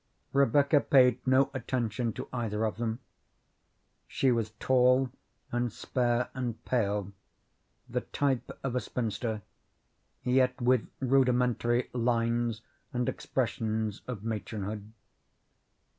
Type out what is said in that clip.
Rebecca paid no attention to either of them. She was tall and spare and pale, the type of a spinster, yet with rudimentary lines and expressions of matronhood.